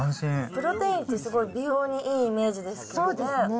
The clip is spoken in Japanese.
プロテインってすごい美容にいいイメージですけどね。